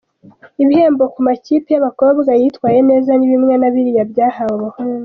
Ibihembo ku makipe y’abakobwa yitwaye neza ni bimwe na biriya byahawe abahungu.